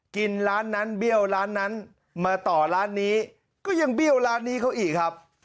กินร้านนั้นเบี้ยวร้านนั้นมาต่อร้านนี้ก็ยังเบี้ยวร้านนี้เขาอีกครับ